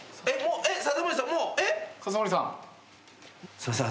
すいません